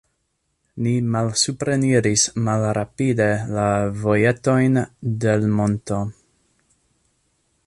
Ni malsupreniris malrapide la vojetojn de l' monto.